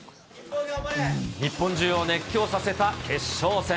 日本中を熱狂させた決勝戦。